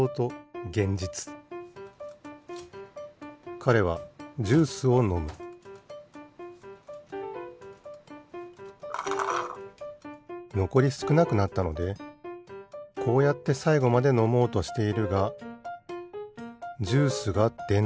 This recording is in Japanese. かれはジュースをのむのこりすくなくなったのでこうやってさいごまでのもうとしているがジュースがでない。